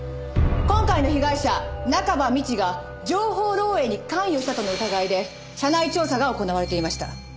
今回の被害者中葉美智が情報漏洩に関与したとの疑いで社内調査が行われていました。